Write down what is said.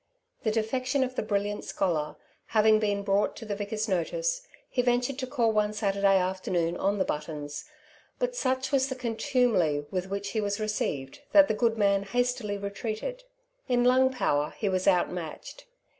The defection of the brilliant scholar having been brought to the vicar's notice, he ventured to call one Saturday afternoon on the Buttons, but such was the contumely with which he was received that the good man hastily retreated. In lung power he was outmatched.